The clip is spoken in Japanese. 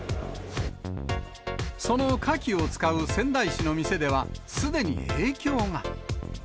そのカキを使う仙台市の店では、すでに影響が。